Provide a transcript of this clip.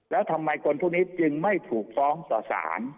แล้วทำไมคนพวกนี้จึงไม่ถูกฟ้องต่อสาร